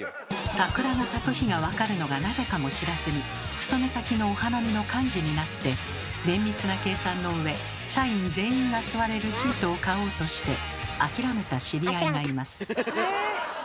「桜が咲く日」がわかるのがなぜかも知らずに勤め先のお花見の幹事になって綿密な計算のうえ社員全員が座れるシートを買おうとして諦めた知り合いがいます。